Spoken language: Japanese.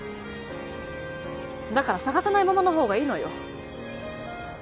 だから捜さないままの方がいいのよ。